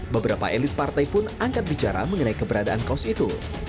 beberapa elit partai pun angkat bicara mengenai keberadaan kos itu